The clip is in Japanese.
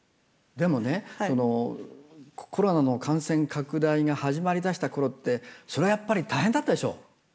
でもねそのコロナの感染拡大が始まりだした頃ってそれはやっぱり大変だったでしょ？